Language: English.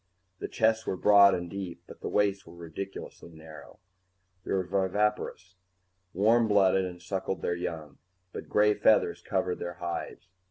The chests were broad and deep, but the waists were ridiculously narrow. They were viviparous, warm blooded, and suckled their young, but gray feathers covered their hides.